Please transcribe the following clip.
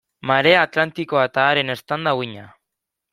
Marea Atlantikoa eta haren eztanda-uhina.